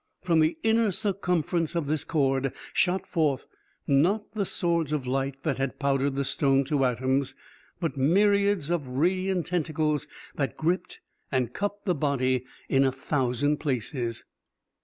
From the inner circumference of this cord shot forth, not the swords of light that had powdered the stone to atoms, but myriads of radiant tentacles that gripped and cupped the body in a thousand places.